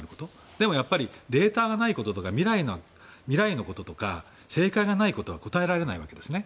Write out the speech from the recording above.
でもデータがないこととか未来のこととか正解がないことは答えられないわけですね。